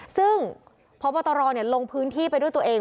ซึ่งพบตรลงพื้นที่ไปด้วยตัวเอง